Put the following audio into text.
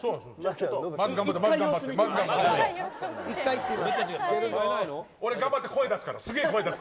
１回、いってみます。